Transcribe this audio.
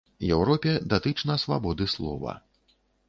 Еўропе датычна свабоды слова.